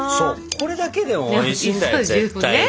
これだけでもおいしいんだよ絶対に！